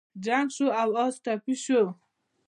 جنګ شو او اس ټپي شو.